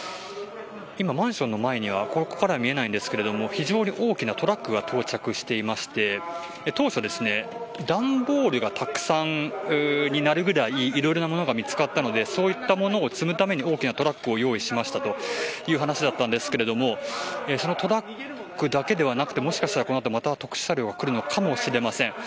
今マンションの前にはここから見えませんが非常に大きなトラックが到着していまして当初、段ボールがたくさんになるぐらい、いろいろな物が見つかったのでそういったものを積むために大きなトラックを用意しましたという話でしたがそのトラックだけでなくもしかしたらこの後特殊車両が来るのかもしれません。